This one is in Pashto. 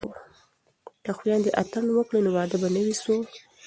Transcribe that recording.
که خویندې اتڼ وکړي نو واده به نه وي سوړ.